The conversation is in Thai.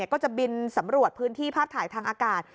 ก็จะบินสำรวจพื้นที่ภาพถ่ายทางอากาศ